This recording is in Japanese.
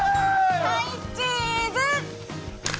はい、チーズ。